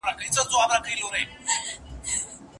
بيسواده مور له ماشومانو سره درس نه سي ويلای.